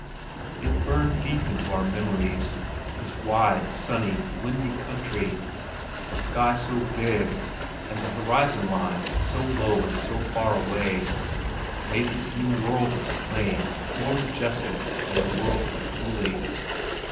It burned deep into our memories, this wide, sunny, windy country. The sky so big, and the horizon line so low and so far away, made this new world of the plain more majestic than the world of the Coulee.